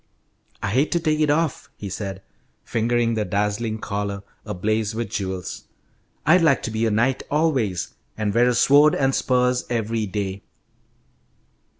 "I hate to take it off," he said, fingering the dazzling collar, ablaze with jewels. "I'd like to be a knight always, and wear a sword and spurs every day."